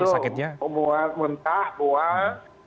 yang satu mual muntah mual